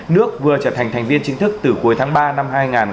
nước vừa trở thành thành viên chính thức từ cuối tháng ba năm hai nghìn hai mươi